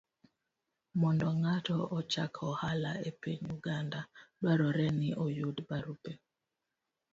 Mondo ng'ato ochak ohala e piny Uganda, dwarore ni oyud barupe